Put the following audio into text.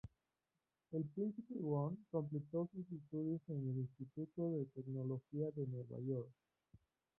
El príncipe Won completó sus estudios en el Instituto de Tecnología de Nueva York.